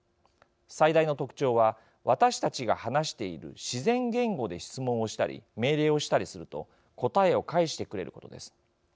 最大の特徴は私たちが話している自然言語で質問をしたり命令をしたりすると答えを返してくれることです。